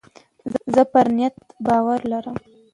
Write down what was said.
زه پر نیت باور لرم.